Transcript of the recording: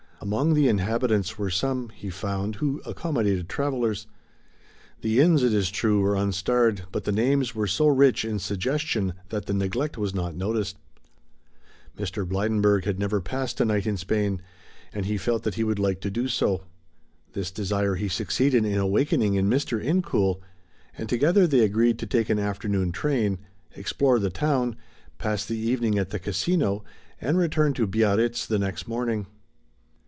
Among the inhabitants were some, he found, who accommodated travelers. The inns, it is true, were unstarred, but the names were so rich in suggestion that the neglect was not noticed. Mr. Blydenburg had never passed a night in Spain, and he felt that he would like to do so. This desire he succeeded in awakening in Mr. Incoul, and together they agreed to take an afternoon train, explore the town, pass the evening at the Casino and return to Biarritz the next morning.